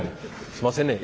すいませんね。